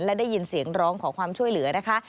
และได้ยินเสียงร้องขอความช่วยเหลือนะคะ